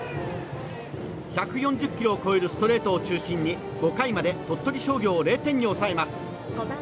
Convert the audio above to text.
１４０キロを超えるストレートを中心に５回までに鳥取商業を０点に抑えます。